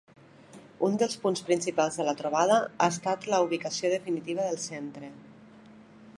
Un dels punts principals de la trobada ha estat la ubicació definitiva del centre.